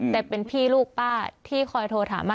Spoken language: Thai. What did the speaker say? แต่เป็นพี่ลูกป้าที่คอยโทรถามว่า